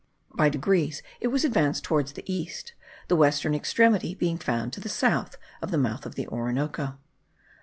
By degrees it was advanced toward the east,* the western extremity being found to the south of the mouth of the Orinoco.